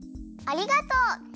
ありがとう！